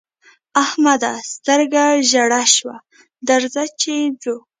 احمده! سترګه ژړه شوه؛ درځه چې ځو.